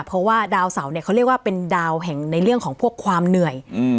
เพราะว่าดาวเสาเนี่ยเขาเรียกว่าเป็นดาวแห่งในเรื่องของพวกความเหนื่อย